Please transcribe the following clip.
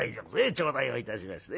頂戴をいたしますね。